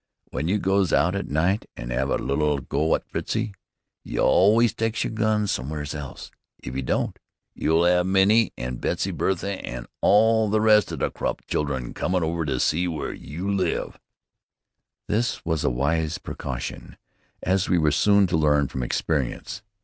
W'en you goes out at night to 'ave a little go at Fritzie, you always tykes yer gun sommers else. If you don't, you'll 'ave Minnie an' Busy Bertha an' all the rest o' the Krupp childern comin' over to see w'ere you live." This was a wise precaution, as we were soon to learn from experience.